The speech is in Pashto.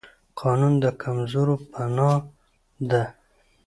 قانون د کمزورو پناه ده